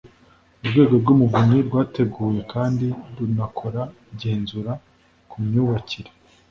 Urwego rw Umuvunyi rwateguye kandi runakora igenzura ku myubakire